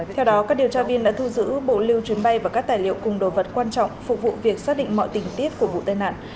theo đó các điều tra viên đã thu giữ bộ lưu chuyến bay và các tài liệu cùng đồ vật quan trọng phục vụ việc xác định mọi tình tiết của vụ tai nạn